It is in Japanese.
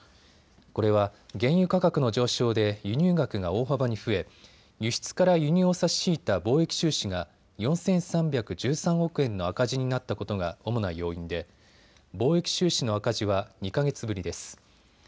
これは原油価格の上昇で輸入額が大幅に増え輸出から輸入を差し引いた貿易収支が４３１３億円の赤字になったことが主な要因で貿易収支の赤字は２か月ぶりです。